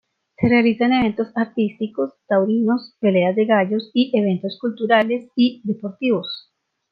Se realizan eventos artísticos, taurinos, peleas de gallos, y eventos culturales y deportivos.